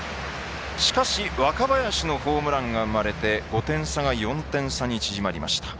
しかし若林のホームランが生まれて５点差は４点差に縮まりました。